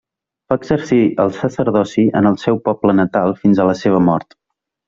Va exercir el sacerdoci en el seu poble natal fins a la seva mort.